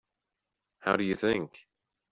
How do you think?